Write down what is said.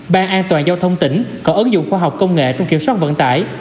ban an toàn giao thông tỉnh còn ứng dụng khoa học công nghệ trong kiểm soát vận tải